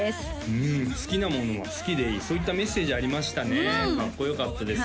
うん好きなものは好きでいいそういったメッセージありましたねかっこよかったです